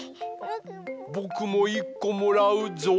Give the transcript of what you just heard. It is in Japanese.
ぼくもいっこもらうぞう。